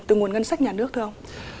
từ nguồn ngân sách nhà nước thưa ông